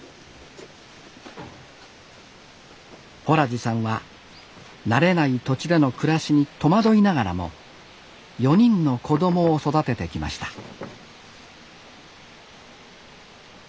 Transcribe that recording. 洞地さんは慣れない土地での暮らしに戸惑いながらも４人の子どもを育ててきました